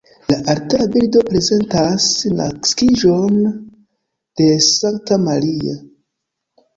La altara bildo prezentas naskiĝon de Sankta Maria.